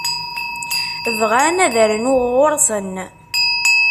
Bɣan ad rnuɣ ɣur-sen.